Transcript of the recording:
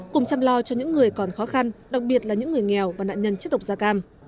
cùng chăm lo cho những người còn khó khăn đặc biệt là những người nghèo và nạn nhân chất độc da cam